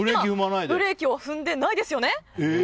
ブレーキを踏んでないですよね。